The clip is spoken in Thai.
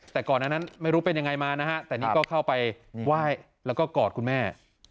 แต่ก่อนนั้นไม่รู้เป็นยังไงมานะฮะแต่นี่ก็เข้าไปไหว้แล้วก็กอดคุณแม่